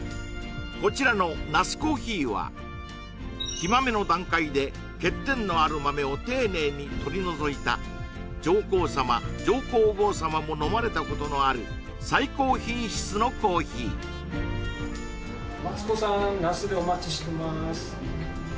こちらの那須珈琲は生豆の段階で欠点のある豆を丁寧に取り除いた上皇さま上皇后さまも飲まれたことのある最高品質のコーヒーマツコさーん那須でお待ちしてまーす